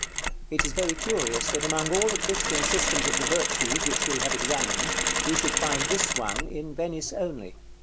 It is very curious, that among all the Christian systems of the virtues which we have examined, we should find this one in Venice only.